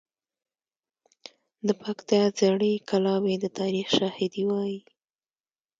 د پکتیا زړې کلاوې د تاریخ شاهدي وایي.